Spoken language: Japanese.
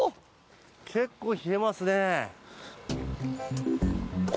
結構冷えますね。